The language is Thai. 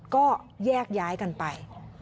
ก็แยกย้ายกันไป